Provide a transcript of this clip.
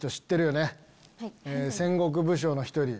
・はい・戦国武将の一人。